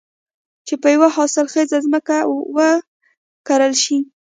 چې په يوه حاصل خېزه ځمکه کې وکرل شي.